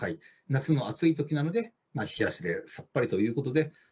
夏の暑いときなので、冷やしでさっぱりということで。